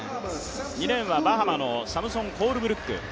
２レーンはバハマのサムソン・コールブルック。